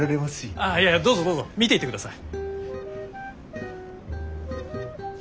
ああいやいやどうぞどうぞ見ていってください。